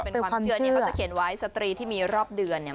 เป็นความเชื่อที่เขาจะเขียนไว้สตรีที่มีรอบเดือนเนี่ย